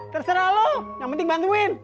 terserah lo yang penting bantuin